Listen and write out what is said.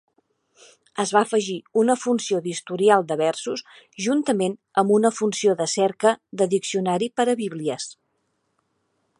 Es va afegir una funció d'historial de versos juntament amb una funció de cerca de diccionari per a bíblies.